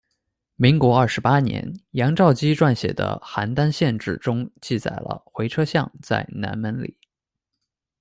民国二十八年，杨肇基撰写的《邯郸县志》中记载了回车巷在南门里。